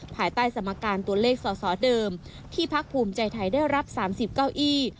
ภายใต้สมการตัวเลขสอสอเดิมที่พักภูมิใจไทยได้รับ๓๐เก้าอี้